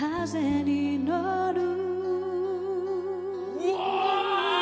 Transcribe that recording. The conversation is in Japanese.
うわ！